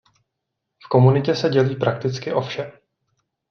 V komunitě se dělí prakticky o vše.